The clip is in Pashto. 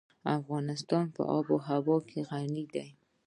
افغانستان په آب وهوا غني دی.